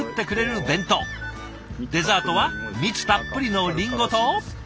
デザートは蜜たっぷりのリンゴと。